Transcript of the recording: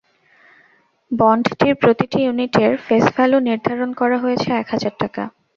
বন্ডটির প্রতিটি ইউনিটের face value নির্ধারণ করা হয়েছে এক হাজার টাকা।